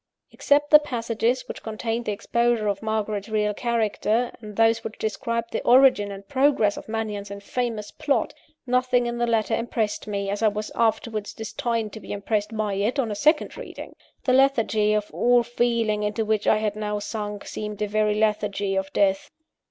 Except the passages which contained the exposure of Margaret's real character, and those which described the origin and progress of Mannion's infamous plot, nothing in the letter impressed me, as I was afterwards destined to be impressed by it, on a second reading. The lethargy of all feeling into which I had now sunk, seemed a very lethargy of death.